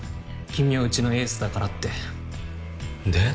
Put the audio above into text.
「君はうちのエースだから」ってで？